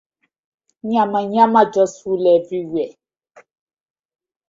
Yamayama just full everywhere.